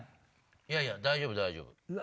いやいや大丈夫大丈夫。